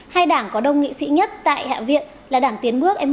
hai đảng có đồng nghị sĩ nhất tại hạ viện là đảng thái lan và đảng thái lan